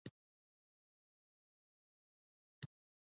دا ستا په واک کې دي چې هر ډول یې ډکوئ.